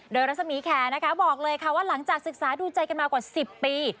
โดยรัศมีแคร์นะคะบอกเลยค่ะว่าหลังจากศึกษาดูใจกันมากว่า๑๐ปี